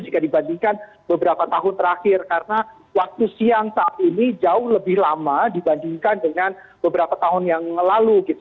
jika dibandingkan beberapa tahun terakhir karena waktu siang saat ini jauh lebih lama dibandingkan dengan beberapa tahun yang lalu